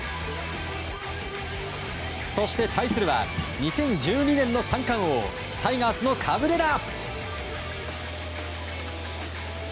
そして、対するは２０１２年の三冠王タイガースのカブレラ。